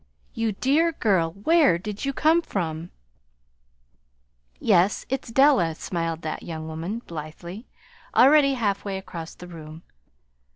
"You dear girl, where did you come from?" "Yes, it's Della," smiled that young woman, blithely, already halfway across the room.